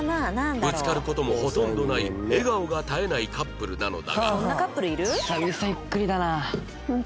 ぶつかる事もほとんどない笑顔が絶えないカップルなのだが